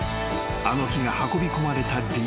あの木が運びこまれた理由］